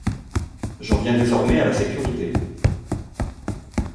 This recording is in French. J’en viens désormais à la sécurité.